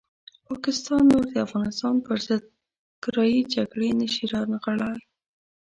پاکستان نور د افغانستان پرضد کرایي جګړې نه شي رانغاړلی.